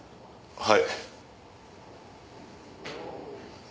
はい。